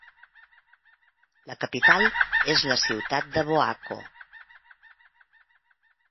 La capital és la ciutat de Boaco.